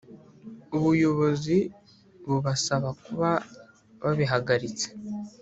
ubuyobozi bubasaba kuba babihagaritse